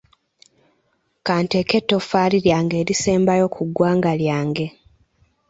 Ka nteeke ettoffaali lyange erisembayo ku ggwanga lyange.